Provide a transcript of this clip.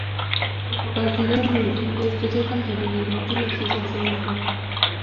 Posteriormente estudió Contabilidad y Legislación Laboral.